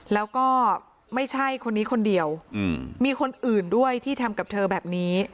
แล้วก็ไม่ใช่คนนี้คนเดียวมีคนอื่นด้วยที่ทำกับเธอแบบนี้